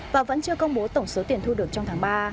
và vẫn chưa công bố tổng số tiền thu được trong tháng ba